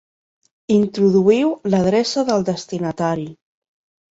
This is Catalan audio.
Introduïu l'adreça del destinatari.